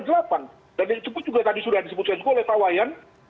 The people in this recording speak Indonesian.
dan itu pun juga tadi sudah disebutkan juga oleh pak wayan